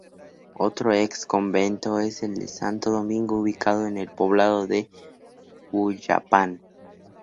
Otro ex convento es el de Santo Domingo, ubicado en el poblado de Hueyapan.